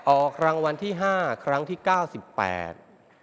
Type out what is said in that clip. ออกรางวัลที่ห้าครั้งที่เก้าสิบแปด